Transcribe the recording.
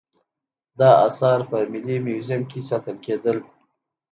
دا اثار په ملي موزیم کې ساتل کیدل